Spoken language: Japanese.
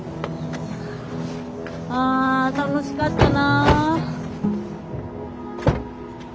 あ楽しかったな。